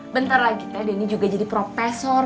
bentar lagi teh denny juga jadi profesor